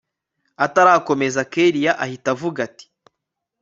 atarakomeza kellia ahita avuga ati